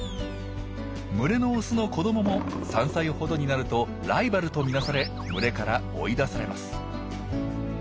群れのオスの子どもも３歳ほどになるとライバルと見なされ群れから追い出されます。